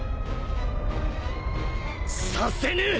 させぬ！